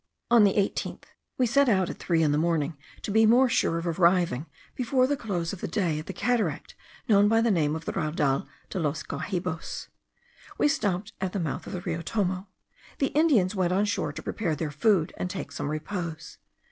On the 18th we set out at three in the morning, to be more sure of arriving before the close of the day at the cataract known by the name of the Raudal de los Guahibos. We stopped at the mouth of the Rio Tomo. The Indians went on shore, to prepare their food, and take some repose.